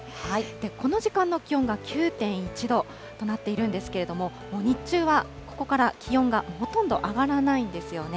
この時間の気温が９．１度となっているんですけれども、日中はここから気温がほとんど上がらないんですよね。